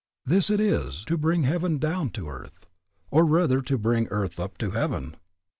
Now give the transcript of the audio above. This it is to bring heaven down to earth, or rather to bring earth up to heaven.